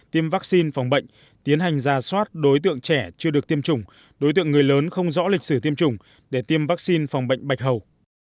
tiêm vaccine phòng bệnh tiến hành ra soát đối tượng trẻ chưa được tiêm chủng đối tượng người lớn không rõ lịch sử tiêm chủng để tiêm vaccine phòng bệnh bạch hầu